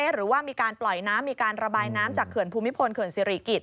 หรือว่ามีการปล่อยน้ำมีการระบายน้ำจากเขื่อนภูมิพลเขื่อนสิริกิจ